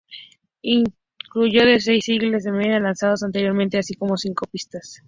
Incluyó los seis singles de McKenna lanzados anteriormente, así como cinco nuevas pistas.